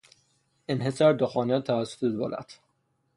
انحصار دخانیات توسط دولت